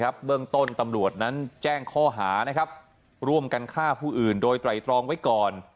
เบื้องต้นตำรวจนั้นแจ้งข้อหาร่วมกันฆ่าผู้อื่นโดยไตรตรองไว้ก่อน